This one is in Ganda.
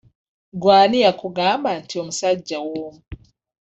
Gwe ani yakugamba nti omusajja w'omu?